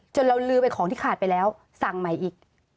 เราลืมไปของที่ขาดไปแล้วสั่งใหม่อีก